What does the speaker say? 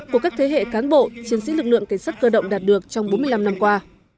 của các thế hệ cán bộ chiến sĩ lực lượng cảnh sát cơ động đạt được trong bốn mươi năm năm qua